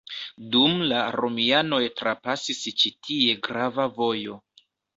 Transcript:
Dum la romianoj trapasis ĉi tie grava vojo.